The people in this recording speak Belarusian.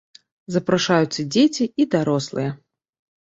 Запрашаюцца дзеці і дарослыя.